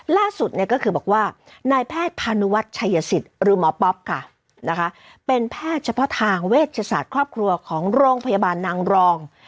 ล่าสุดเนี่ยก็คือบอกว่านายแพทย์พานุวัฒน์ชัยสิทธิ์หรือหมอป๊อปค่ะนะคะเป็นแพทย์เฉพาะทางเวชศาสตร์ครอบครัวของโรงพยาบาลนางรอง